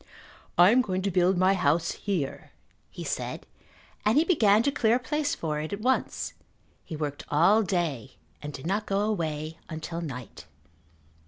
"I am going to build my house here," he said, and he began to clear a place for it at once. He worked all day and did not go away until night.